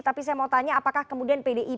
tapi saya mau tanya apakah kemudian pdi perjuangan